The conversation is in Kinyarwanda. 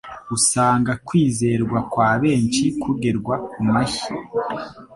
usanga kwizerwa kwa benshi kugerwa ku mashyi